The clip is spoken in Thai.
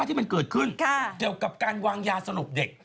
ที่มันเกิดขึ้นเกี่ยวกับการวางยาสลบเด็ก